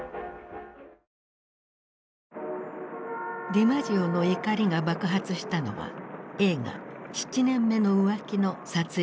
ディマジオの怒りが爆発したのは映画「七年目の浮気」の撮影の時だった。